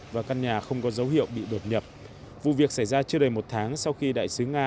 và căn nhà không có dấu hiệu bị đột nhập vụ việc xảy ra chưa đầy một tháng sau khi đại sứ nga